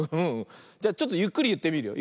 じゃちょっとゆっくりいってみるよ。